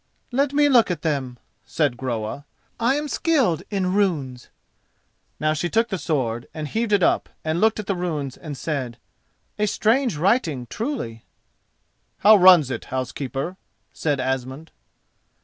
"Let me look at them," said Groa, "I am skilled in runes." Now she took the sword, and heaved it up, and looked at the runes and said, "A strange writing truly." "How runs it, housekeeper?" said Asmund.